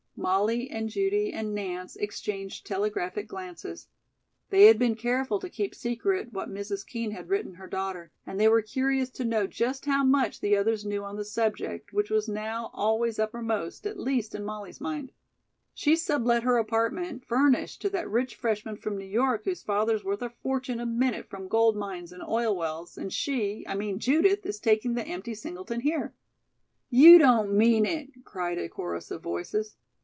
Molly and Judy and Nance exchanged telegraphic glances. They had been careful to keep secret what Mrs. Kean had written her daughter, and they were curious to know just how much the others knew on the subject, which was now always uppermost, at least in Molly's mind. "She's sub let her apartment, furnished, to that rich freshman from New York, whose father's worth a fortune a minute from gold mines and oil wells, and she, I mean Judith, is taking the empty singleton here." "You don't mean it!" cried a chorus of voices.